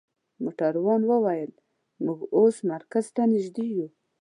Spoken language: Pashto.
موټروان وویل: موږ اوس مرکز ته نژدې یو.